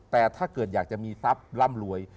แต่ถ้าเกิดอยากจะมีทรัพย์ร่ำรวย